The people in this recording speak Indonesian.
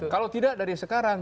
kalau tidak dari sekarang